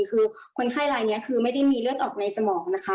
คือคนไข้รายนี้คือไม่ได้มีเลือดออกในสมองนะคะ